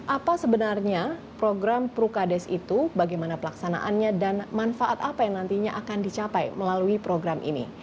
apa sebenarnya program prukades itu bagaimana pelaksanaannya dan manfaat apa yang nantinya akan dicapai melalui program ini